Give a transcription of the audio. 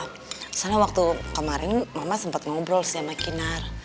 sebenarnya waktu kemarin mama sempat ngobrol sih sama kinar